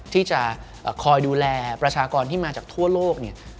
ที่จะคอยดูแลประชากรที่มาจากทั่วโลกเนี่ย